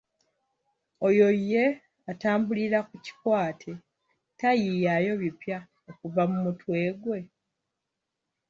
Oyo ye atambulira ku kikwate tayiiyaayo bipya okuva mu mutwe gwe.